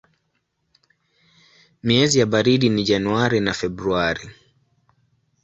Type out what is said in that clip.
Miezi ya baridi ni Januari na Februari.